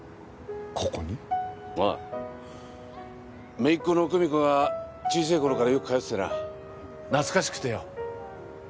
めいっ子の久美子が小せぇ頃からよく懐かしくてよ。